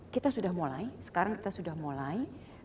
kita sudah mulai sekarang kita sudah mulai